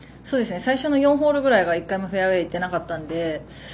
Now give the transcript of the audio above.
最初の４ホールぐらいが１回もフェアウェーいってなかったので